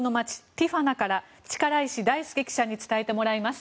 ティファナから力石大輔記者に伝えてもらいます。